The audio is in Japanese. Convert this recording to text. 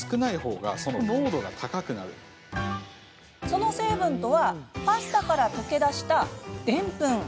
その成分とはパスタから溶け出した、でんぷん。